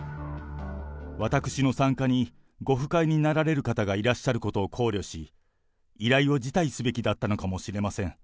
私の参加にご不快になられる方がいらっしゃることを考慮し、依頼を辞退すべきだったのかもしれません。